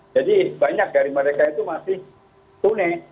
jadi banyak dari mereka itu masih tunai